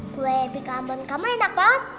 gue pikir aman kamu enak banget